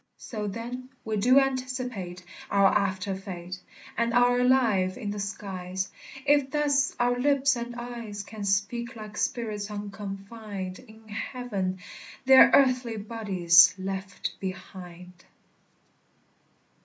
So, then, we do anticipate Our after fate, And are alive i' the skies, If thus our lips and eyes Can speak like spirits unconfined In heaven, their earthly bodies left behind.